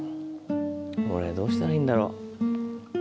俺どうしたらいいんだろう？